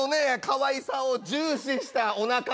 かわいさを重視したおなか周り。